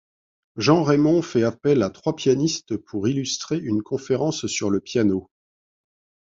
Jean Raymond fait appel à trois pianistes pour illustrer une conférence sur le piano.